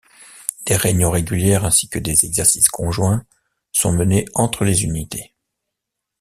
Des réunions régulières ainsi que des exercices conjoints sont menés entre les unités.